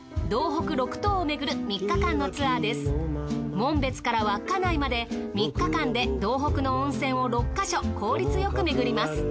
紋別から稚内まで３日間で道北の温泉を６か所効率よく巡ります。